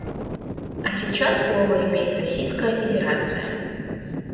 А сейчас слово имеет Российская Федерация.